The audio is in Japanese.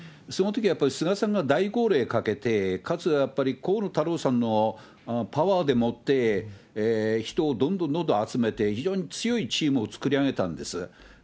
そのときはやっぱり菅さんが大号令かけて、かつ、やっぱり河野太郎さんのパワーでもって人をどんどんどんどん集めて、非常に強いチームを作り上げたんです。